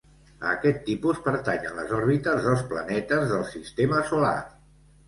A aquest tipus pertanyen les òrbites dels planetes del Sistema Solar.